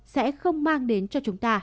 sẽ không mang đến cho chúng ta